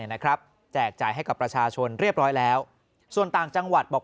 นะครับแจกจ่ายให้กับประชาชนเรียบร้อยแล้วส่วนต่างจังหวัดบอก